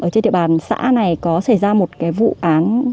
trên địa bàn xã này có xảy ra một cái vụ án